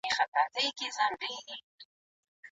مشاورینو به د مظلومانو کلکه ساتنه کوله.